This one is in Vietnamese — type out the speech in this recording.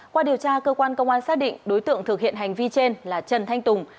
qua điều tra cơ quan công an xác định đối tượng thực hiện hành vi trên là trần thanh tùng